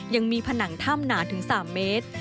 ยังมีผนังถ้ำหนาถึง๓เมตร